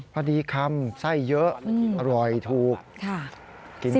พอดีคำไส้เยอะอร่อยถูกกิน